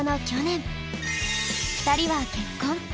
２人は結婚。